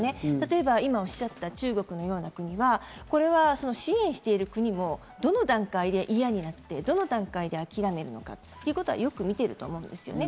例えば今おっしゃった中国のような国は支援している国を、どの段階で嫌になってどの段階で諦めるのかということはよく見ていると思うんですね。